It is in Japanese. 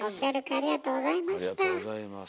ありがとうございます。